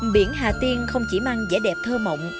biển hà tiên không chỉ mang vẻ đẹp thơ mộng